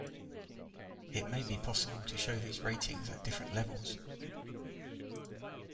It may be possible to show these ratings at different levels.